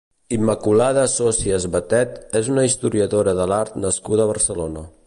Immaculada Socias Batet és una historiadora de l'art nascuda a Barcelona.